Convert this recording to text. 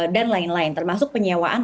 dan lain lain termasuk penyewaan